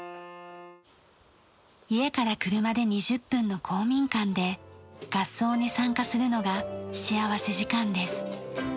家から車で２０分の公民館で合奏に参加するのが幸福時間です。